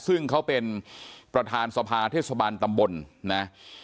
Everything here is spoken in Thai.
ซึ่งเขาเป็นประธานสภาเทศบาลตำบลนะ